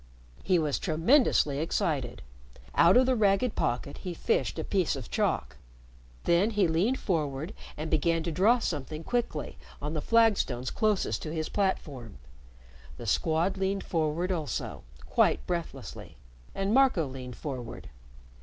He was tremendously excited. Out of the ragged pocket he fished a piece of chalk. Then he leaned forward and began to draw something quickly on the flagstones closest to his platform. The Squad leaned forward also, quite breathlessly, and Marco leaned forward.